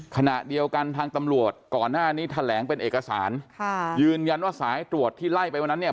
ขณะเดียวกันทางตำรวจก่อนหน้านี้แถลงเป็นเอกสารค่ะยืนยันว่าสายตรวจที่ไล่ไปวันนั้นเนี่ย